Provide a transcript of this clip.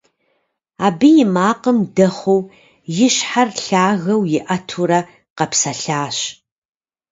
Абы и макъым дэхъуу и щхьэр лъагэу иӀэтурэ къэпсэлъащ.